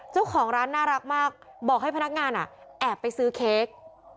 เจ้าของร้านน่ารักมากบอกให้พนักงานแอบไปซื้อเค้ก